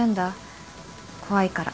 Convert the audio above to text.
怖いから